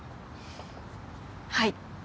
はい。